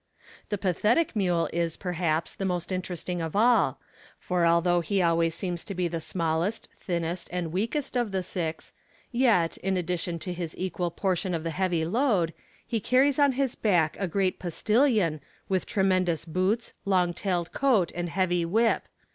The pathetic mule is, perhaps, the most interesting of all; for although he always seems to be the smallest, thinnest, and weakest of the six, yet, in addition to his equal portion of the heavy load, he carries on his back a great postillion, with tremendous boots, long tailed coat, and heavy whip.